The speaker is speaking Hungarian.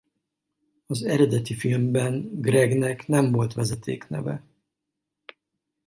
Az eredeti filmben Gregnek nem volt vezetékneve.